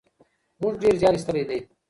موږ ډېر زیار ایستلی دی.